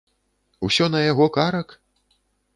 Усё на яго карак?